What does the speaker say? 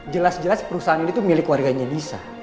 jelas jelas perusahaan ini itu milik keluarganya nisa